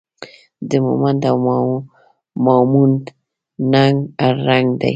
د مومندو او ماموندو ننګ هر رنګ دی